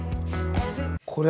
これ。